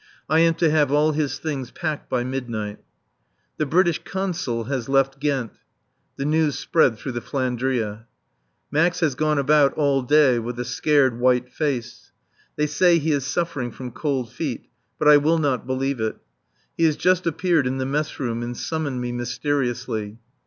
I am to have all his things packed by midnight. The British Consul has left Ghent. The news spread through the "Flandria." Max has gone about all day with a scared, white face. They say he is suffering from cold feet. But I will not believe it. He has just appeared in the mess room and summoned me mysteriously.